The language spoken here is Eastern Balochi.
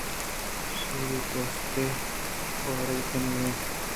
شیری پوستے ءِ گوٛرءَ کنگ ءَ